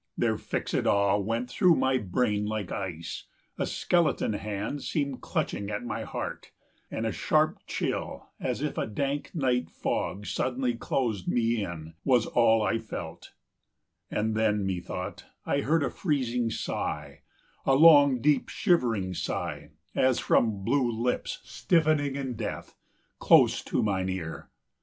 Their fixéd awe went through my brain like ice; 30 A skeleton hand seemed clutching at my heart, And a sharp chill, as if a dank night fog Suddenly closed me in, was all I felt: And then, methought, I heard a freezing sigh, A long, deep, shivering sigh, as from blue lips 35 Stiffening in death, close to mine ear.